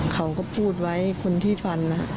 เขาก็พูดไว้คนที่ฟัน